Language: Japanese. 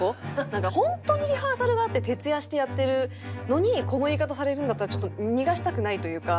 なんか本当にリハーサルがあって徹夜してやってるのにこの言い方されるんだったらちょっと逃がしたくないというか。